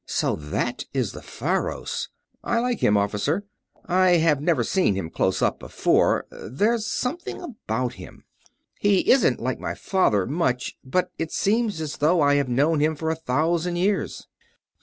"So that is the Faros ... I like him, Officer ... I have never seen him close up before ... there's something about him.... He isn't like my father, much, but it seems as though I have known him for a thousand years!"